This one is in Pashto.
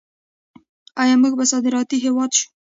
آیا موږ به صادراتي هیواد شو؟